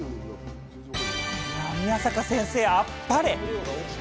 宮坂先生、あっぱれ！